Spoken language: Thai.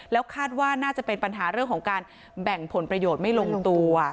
แล้วคาดว่าน่าจะเป็นปัญหาเรื่องของการแบ่งผลประโยชน์ไม่ลงตัว